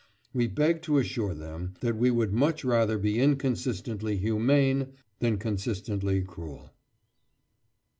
We beg to assure them that we would much rather be inconsistently humane than consistently cruel.